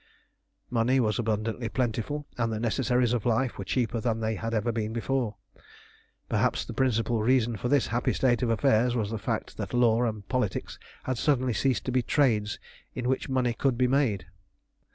Money was abundantly plentiful, and the necessaries of life were cheaper than they had ever been before. Perhaps the principal reason for this happy state of affairs was the fact that law and politics had suddenly ceased to be trades at which money could be made.